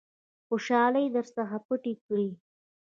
خوشالۍ در څخه پټې کړي .